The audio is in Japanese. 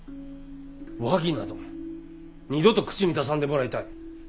和議など二度と口に出さんでもらいたい。